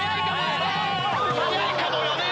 早いかもよね！